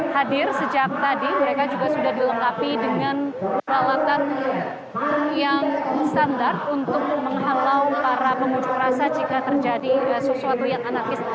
hadir sejak tadi mereka juga sudah dilengkapi dengan peralatan yang standar untuk menghalau para pengunjuk rasa jika terjadi sesuatu yang anarkis